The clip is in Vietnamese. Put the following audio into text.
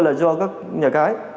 là do các nhà cái